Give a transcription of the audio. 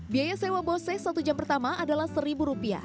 biaya sewa bose satu jam pertama adalah rp satu